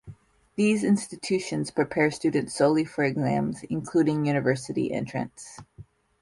These institutions prepare students solely for exams, including university entrance.